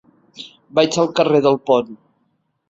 Vaig al carrer del Pont.